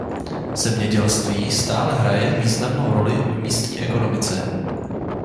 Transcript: Zemědělství stále hraje významnou roli v místní ekonomice.